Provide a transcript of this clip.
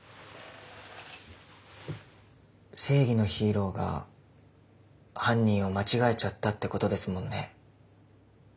正義のヒーローが犯人を間違えちゃったってことですもんね。